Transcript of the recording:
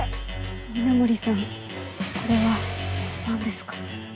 稲森さんこれは何ですか？